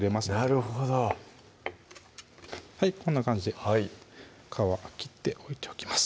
なるほどこんな感じで皮切って置いておきます